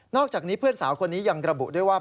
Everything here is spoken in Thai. อกจากนี้เพื่อนสาวคนนี้ยังระบุด้วยว่า